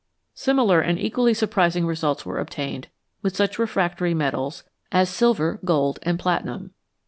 Similar and equally surprising results were obtained with such refractory metals as silver, gold, and platinum.